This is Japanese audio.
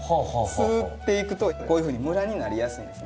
吸っていくと、こういうふうにムラになりやすいです。